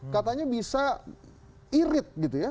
katanya bisa irit gitu ya